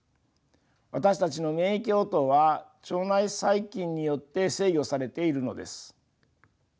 私たちの免疫応答は腸内細菌によって制御されているのです。